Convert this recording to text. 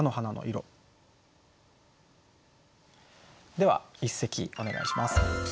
では一席お願いします。